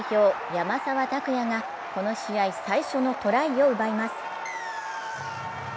山沢拓也がこの試合最初のトライを奪います。